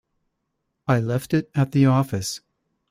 I left it at the office.